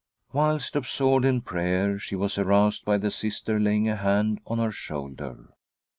Whilst absorbed in prayer she was aroused by the Sister laying a hand on her shoulder.